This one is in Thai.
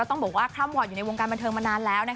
ต้องบอกว่าข้ามหวอดอยู่ในวงการบันเทิงมานานแล้ว